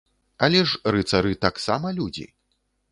Але ж рыцары таксама людзі!